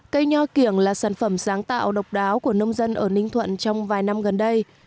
cây nho kiểng là sản phẩm sáng tạo độc đáo của nông dân ở ninh thuận trong vài năm gần đây